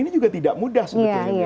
ini juga tidak mudah sebetulnya